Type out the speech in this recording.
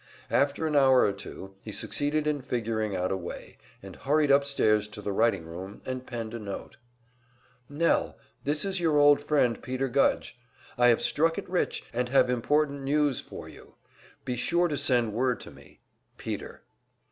After an hour or two he succeeded in figuring out a way, and hurried upstairs to the writing room and penned a note: "Nell: This is your old friend Peter Gudge. I have struck it rich and have important news for you. Be sure to send word to me. Peter."